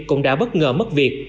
cũng đã bất ngờ mất việc